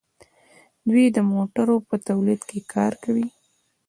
دوی د موټرو په تولید کې کار کوي.